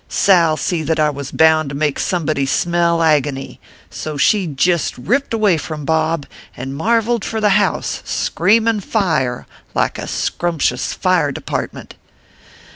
Sal see that I was bound to make somebody smell agony, so she jist ripped away from Bob, and marveled for the house, screaming fire, like a scrumptious fire department.